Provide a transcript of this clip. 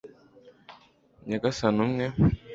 nyagasani umwe